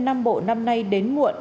năm bộ năm nay đến muộn